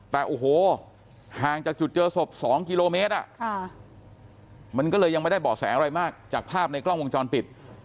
แต่โอ้โหห่างจากจุดเจอศพ๒กิโลเมตรมันก็เลยยังไม่ได้เบาะแสอะไรมากจากภาพในกล้องวงจรปิด